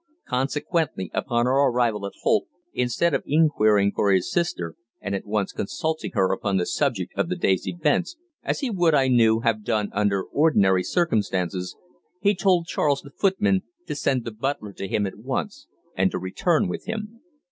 Consequently, upon our arrival at Holt, instead of inquiring for his sister, and at once consulting her upon the subject of the day's events, as he would, I knew, have done under ordinary circumstances, he told Charles, the footman, to send the butler to him at once, and to return with him.